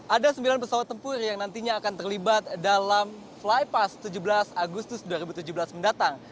ada sembilan pesawat tempur yang nantinya akan terlibat dalam flypass tujuh belas agustus dua ribu tujuh belas mendatang